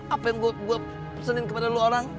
apa yang gue pesanin kepada lo orang